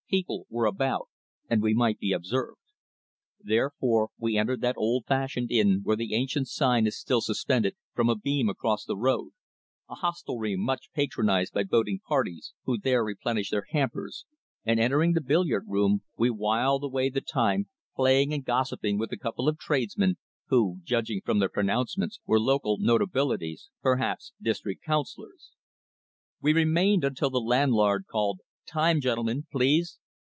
People were about, and we might be observed. Therefore we entered that old fashioned inn where the ancient sign is still suspended from a beam across the road, a hostelry much patronised by boating parties, who there replenish their hampers, and entering the billiard room we whiled away the time, playing and gossiping with a couple of tradesmen, who, judging from their pronouncements, were local notabilities, perhaps District Councillors. We remained until the landlord called "Time, gentlemen, please!"